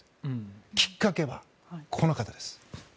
きっかけはこの方です。